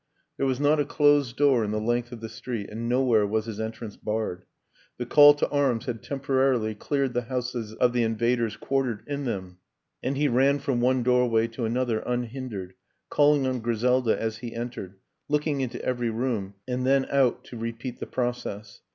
There was not a closed door in the length of the street, and nowhere was his entrance barred; the call to arms had temporarily cleared the houses of the invaders quartered in them, and he ran from one doorway to another unhindered, calling on Griselda as he entered, looking into every room, and then out to repeat the process.